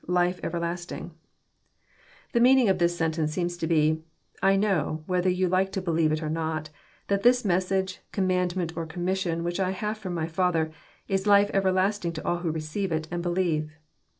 Mfe everlasting^] The meaning of this sentence seems to be, —" I know, whether you like to believe it or not, that this message, commandment, or commission, which I have from my Father, is life everlasting to all who receive it, and believe.